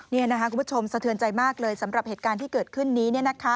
นี่นะคะคุณผู้ชมสะเทือนใจมากเลยสำหรับเหตุการณ์ที่เกิดขึ้นนี้